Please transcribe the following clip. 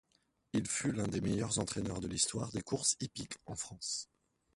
Il fut l'un des meilleurs entraîneurs de l'histoire des courses hippiques en France.